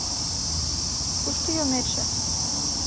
Кушто юметше?